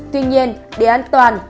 tuy nhiên để an toàn